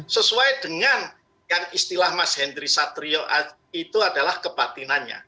sesuai dengan yang istilah mas henry satrio itu adalah kebatinannya